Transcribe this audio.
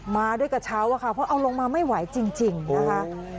มาด้วยกระเช้าอะค่ะเพราะเอาลงมาไม่ไหวจริงนะคะ